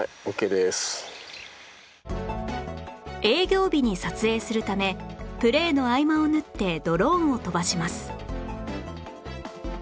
営業日に撮影するためプレーの合間を縫ってドローンを飛ばします